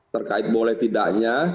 terkait boleh tidaknya